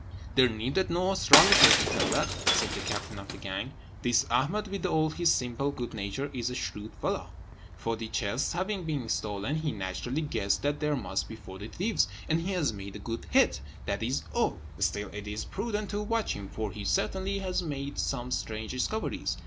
"There needed no astrologer to tell that," said the captain of the gang. "This Ahmed, with all his simple good nature, is a shrewd fellow. Forty chests having been stolen, he naturally guessed that there must be forty thieves, and he has made a good hit, that is all; still it is prudent to watch him, for he certainly has made some strange discoveries.